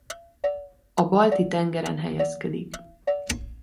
A Balti-tengeren helyezkedik.